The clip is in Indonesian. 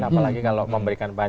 apalagi kalau memberikan bahan